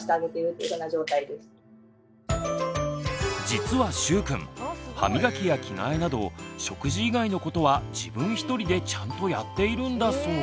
実はしゅうくん歯磨きや着替えなど食事以外のことは自分一人でちゃんとやっているんだそう。